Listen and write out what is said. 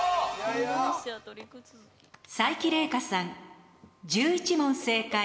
才木玲佳さん１１問正解。